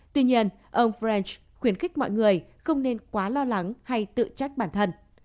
tuy nhiên ông frand khuyến khích mọi người không nên quá lo lắng hay tự trách bản thân